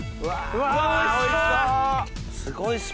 うわおいしそう！